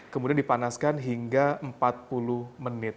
kemudian dipanaskan hingga empat puluh menit